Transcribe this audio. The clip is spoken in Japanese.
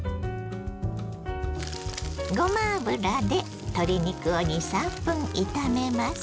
ごま油で鶏肉を２３分炒めます。